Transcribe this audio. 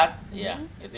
itu yang masyai